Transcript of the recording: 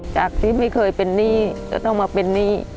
จากที่ไม่เคยเป็นหนี้ก็ต้องมาเป็นหนี้